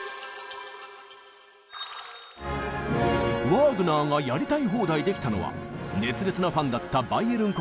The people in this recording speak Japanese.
ワーグナーがやりたい放題できたのは熱烈なファンだったバイエルン